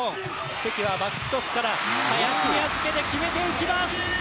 関がバックトスから、林に預けて決めていきます。